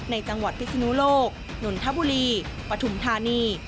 จังหวัดพิศนุโลกนนทบุรีปฐุมธานี